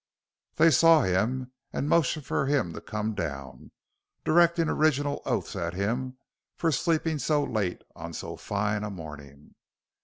They saw him and motioned for him to come down, directing original oaths at him for sleeping so late on so "fine a morning."